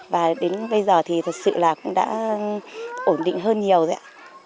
và đến bây giờ thì thật sự là cũng đã ổn định hơn nhiều rồi ạ